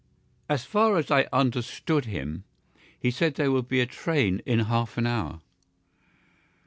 As far as I understood him, he said there would be a train in half an hour.